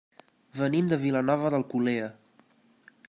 Venim de Vilanova d'Alcolea.